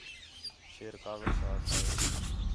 شیر کاوِڑ ساں آکھا ہِے